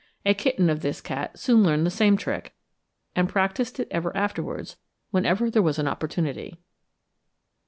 A kitten of this cat soon learned the same trick, and practised it ever afterwards, whenever there was an opportunity.